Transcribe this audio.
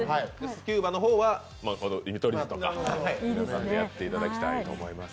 スキューバの方は見取り図さんとやっていただきたいと思います。